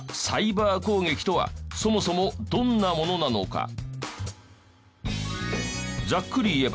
サイバー攻撃とはそもそもどんなものなのか？